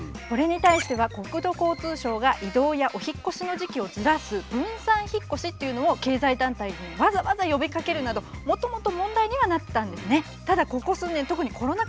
これに対しては国土交通省が異動やお引っ越しの時期をずらす分散引っ越しというのを経済団体にわざわざ呼びかけるなどもともと問題にはなってたんですね。